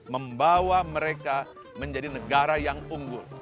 membawa mereka menjadi negara yang unggul